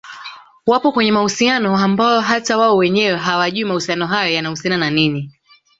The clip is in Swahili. wapo kwenye mahusiano ambayo hata wao wenyewe hawajui mahusiano hayo yanahusiana na nini